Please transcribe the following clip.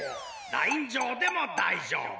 ラインじょうでもだいじょうぶ。